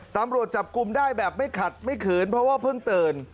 ตำรวจจับกลุ่มได้แบบไม่ขัดไม่ขืนเพราะว่าเพิ่งตื่น